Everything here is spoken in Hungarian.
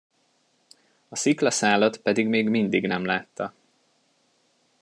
A sziklaszálat pedig még mindig nem látta.